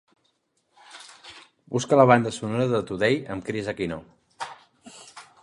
Busca la banda sonora de Today amb Kris Aquino